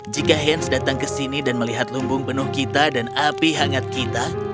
jika hans datang ke sini dan melihat lumbung penuh kita dan api hangat kita